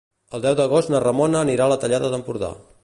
El deu d'agost na Ramona anirà a la Tallada d'Empordà.